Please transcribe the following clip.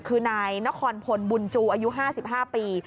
คือนายนครพลบุญจูอายุ๕๕ปี